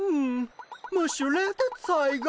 ムッシュ冷徹斎が。